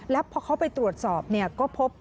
แล้วพอเขาไปตรวจสอบก็พบ